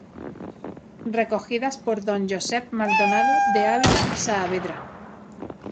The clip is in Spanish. Recogidas por D. Josep Maldonado de Ávila y Saavedra.